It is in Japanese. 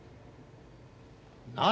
何？